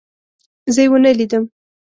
زه يې ونه لیدم.